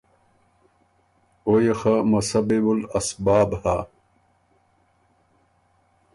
”او يې خه مسببُ الاسباب هۀ“